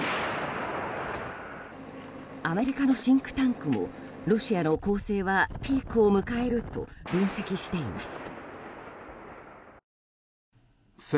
アメリカのシンクタンクもロシアの攻勢はピークを迎えると分析しています。